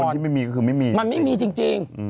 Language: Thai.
ที่ไม่มีก็คือไม่มีมันไม่มีจริง